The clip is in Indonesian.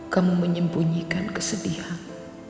kamu menyembunyikan kesedihan